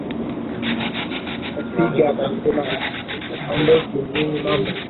kupiga akisema haondoki nini mambo